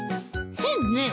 変ね。